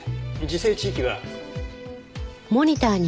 自生地域は。